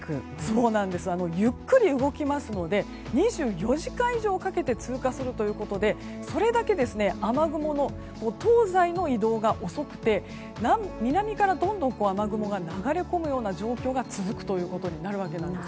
ゆっくり動きますので２４時間以上かけて通過するということで、それだけ雨雲の東西の移動が遅くて南からどんどん雨雲が流れ込む状況が続くということになるわけなんです。